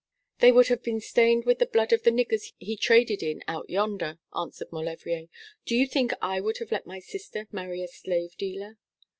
'They would have been stained with the blood of the niggers he traded in out yonder,' answered Maulevrier. 'Do you think I would have let my sister marry a slave dealer?'